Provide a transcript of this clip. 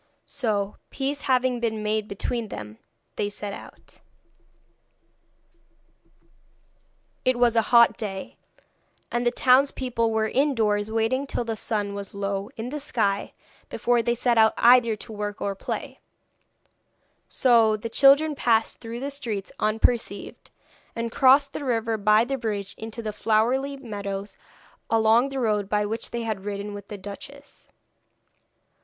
So, peace having been made between them, they set out. [Illustration: ABEILLE FINDS HERSELF AMONG THE LITTLE MEN] It was a hot day, and the townspeople were indoors waiting till the sun was low in the sky before they set out either to work or play, so the children passed through the streets unperceived, and crossed the river by the bridge into the flowery meadows along the road by which they had ridden with the duchess.